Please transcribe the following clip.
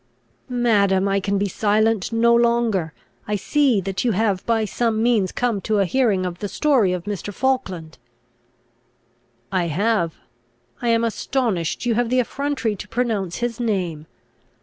"Madam, I can be silent no longer. I see that you have by some means come to a hearing of the story of Mr. Falkland." "I have. I am astonished you have the effrontery to pronounce his name.